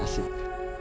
nih gue yang bantu